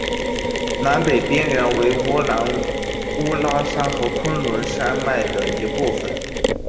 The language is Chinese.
南北边缘为乌兰乌拉山和昆仑山脉的一部分。